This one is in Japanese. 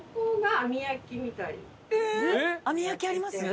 網焼きあります？